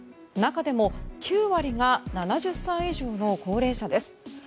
中でも９割が７０歳以上の高齢者です。